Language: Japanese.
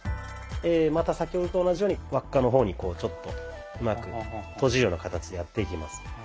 また先ほどと同じように輪っかの方にこうちょっとうまくとじるような形でやっていきます。